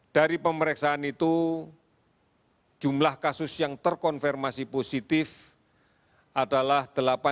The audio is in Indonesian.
dari pemeriksaan itu jumlah kasus yang terkonfirmasi positif adalah delapan delapan ratus delapan puluh dua